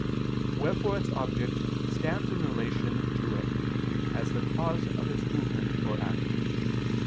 Wherefore its object stands in relation to it as the cause of its movement or act.